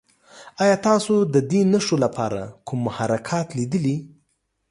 ایا تاسو د دې نښو لپاره کوم محرکات لیدلي؟